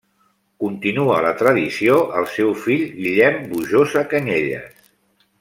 Continua la tradició el seu fill Guillem Bujosa Canyelles.